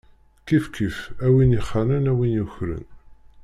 Kifkif, a win ixanen, a win yukren.